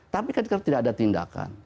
tapi kan sekarang tidak ada tindakan